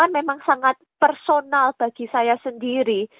memang sangat personal bagi saya sendiri